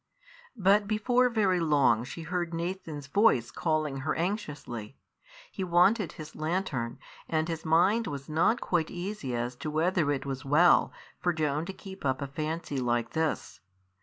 But before very long she heard Nathan's voice calling her anxiously. He wanted his lantern; and his mind was not quite easy as to whether it was well for Joan to keep up a fancy like this.